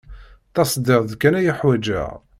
Tasdidt kan ay ḥwajeɣ.